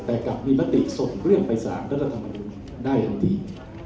แต่กลับมีมติส่งเรื่องไปสารรัฐธรรมนุนได้ทันที